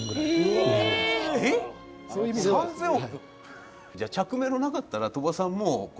えっ！？３０００億。